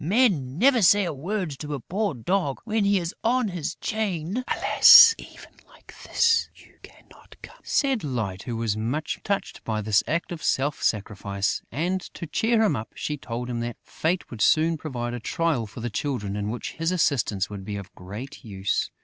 Men never say a word to a poor dog when he is on his chain!" "Alas, even like this, you cannot come!" said Light, who was much touched by this act of self sacrifice; and, to cheer him up, she told him that fate would soon provide a trial for the Children in which his assistance would be of great use.